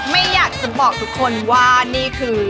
ไม่อยากจะบอกทุกคนว่านี่คือ